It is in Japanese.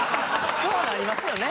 そうなりますよね。